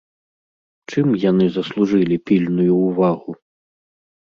Чым яны заслужылі пільную ўвагу?